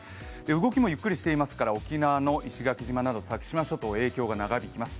動きもゆっくりしていますから沖縄の石垣島など先島諸島、影響が長引きます。